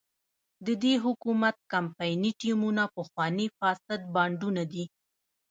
د دې حکومت کمپایني ټیمونه پخواني فاسد بانډونه دي.